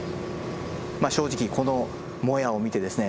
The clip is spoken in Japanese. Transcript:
まあ正直このモヤを見てですね